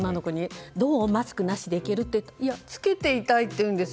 どうマスクなしでいけると聞くと着けていたいというんですよ。